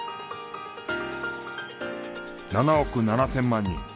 ７億７０００万人。